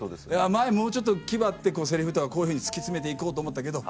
前もうちょっと気張ってセリフとかこういうふうに突き詰めて行こうと思ったけど